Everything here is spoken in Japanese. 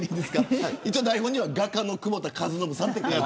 一応、台本には画家の久保田かずのぶさんと。